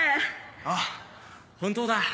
あ本当だ。